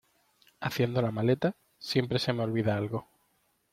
Haciendo la maleta, siempre se me olvida algo.